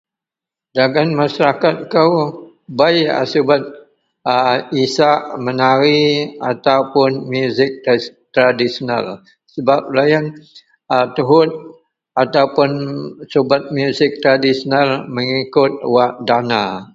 Dagen maseraket kou bei a subet a isak menari ataupuun musik tradisional sebap loyen a tuhut ataupuun subet musik tradisional mengikut wak dana